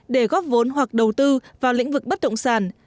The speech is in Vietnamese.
để góp vốn hoặc đầu tư vào lĩnh vực bất động sản